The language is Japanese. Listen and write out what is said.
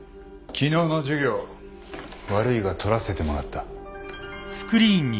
昨日の授業悪いがとらせてもらった。